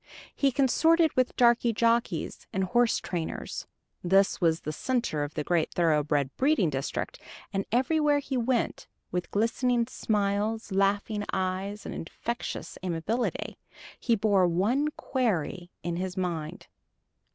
He consorted with darky jockeys and horse trainers this was the center of the great thoroughbred breeding district and everywhere he went, with glistening smiles, laughing eyes, and infectious amiability, he bore one query in his mind.